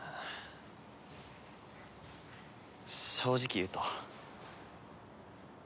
正直言うと。